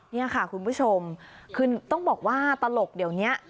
นี่ค่ะคุณผู้ชมคือต้องบอกว่าตลกเดี๋ยวนี้